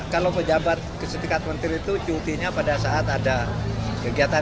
kalau pejabat setingkat menteri itu cutinya pada saat ada kegiatan